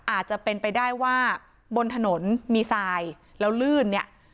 อาจจะเป็นไปได้ว่าบนถนนมีทรายแล้วลื่นเนี่ย